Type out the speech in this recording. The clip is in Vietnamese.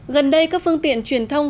gần đây các phương tiện truyền thông